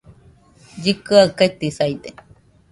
Llikɨaɨ ketisaide